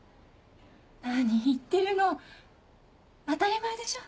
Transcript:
何言ってるの当たり前でしょ。